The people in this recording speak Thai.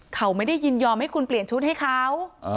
เขาไม่ได้ยินยอมให้คุณเปลี่ยนชุดให้เขา